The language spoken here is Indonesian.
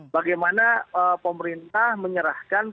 bagaimana pemerintah menyerahkan